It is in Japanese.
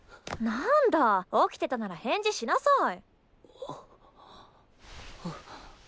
なんだ起きてたなら返事しなさい。